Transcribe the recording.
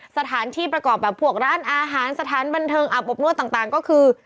สถานที่ประกอบแบบพวกร้านอาหารสถานบันเทิงอาบอบนวดต่างก็คือ